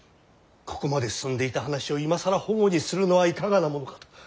ここまで進んでいた話を今更反故にするのはいかがなものかと。